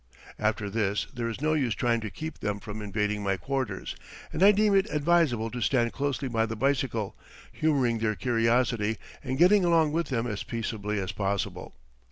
After this there is no use trying to keep them from invading my quarters, and I deem it advisable to stand closely by the bicycle, humoring their curiosity and getting along with them as peaceably as possible.